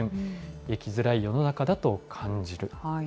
生きづらい世の中だと感じる。